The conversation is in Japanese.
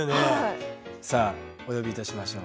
さあお呼びいたしましょう。